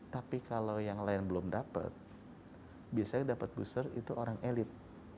tapi kalau yang lain belum dapat biasanya dapat booster itu orang elit